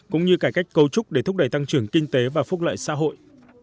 cũng như cải cách cấu trúc để thúc đẩy tăng trưởng kinh tế và phúc lợi xã hội